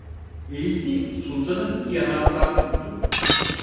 Eğildi, Sultan'ın iki yanağından tuttu.